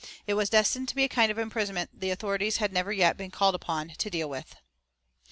It was destined to be a kind of imprisonment the authorities had never yet been called upon to deal with.